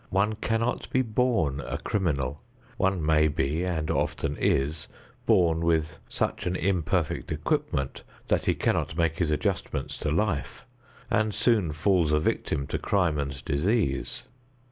One cannot be born a criminal. One may be, and often is, born with such an imperfect equipment that he cannot make his adjustments to life, and soon falls a victim to crime and disease.